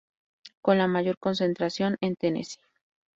Con la mayor concentración en Tennessee.